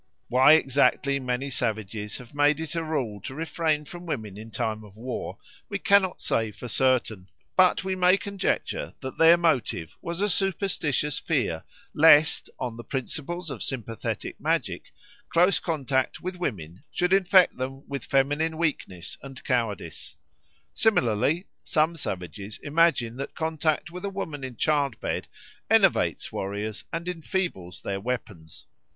Why exactly many savages have made it a rule to refrain from women in time of war, we cannot say for certain, but we may conjecture that their motive was a superstitious fear lest, on the principles of sympathetic magic, close contact with women should infect them with feminine weakness and cowardice. Similarly some savages imagine that contact with a woman in childbed enervates warriors and enfeebles their weapons.